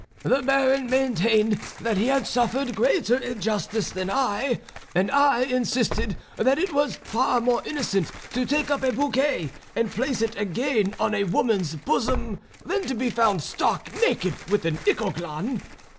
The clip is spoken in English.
The Baron maintained that he had suffered greater injustice than I, and I insisted that it was far more innocent to take up a bouquet and place it again on a woman's bosom than to be found stark naked with an Ichoglan.